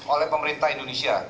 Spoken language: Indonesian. oleh pemerintah indonesia